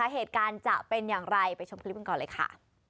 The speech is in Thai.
เหตุการณ์จะเป็นอย่างไรไปชมคลิปกันก่อนเลยค่ะ